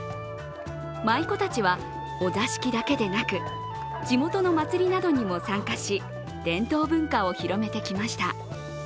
舞子たちは、お座敷だけでなく地元の祭りなどにも参加し伝統文化を広めてきました。